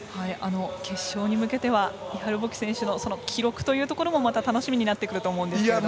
決勝に向けてはイハル・ボキ選手の記録というところもまた楽しみになってくると思うんですけども。